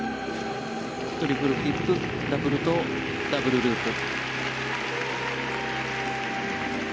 トリプルフリップダブルトウ、ダブルループ。